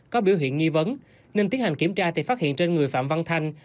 có biểu hiện nghi vấn nên tiến hành kiểm tra thì phát hiện trên người phạm văn thanh